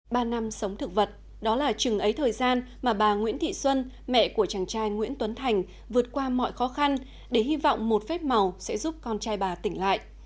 ba năm sống thực vật đó là chừng ấy thời gian mà bà nguyễn thị xuân mẹ của chàng trai nguyễn tuấn thành vượt qua mọi khó khăn để hy vọng một phép màu sẽ giúp con trai bà tỉnh lại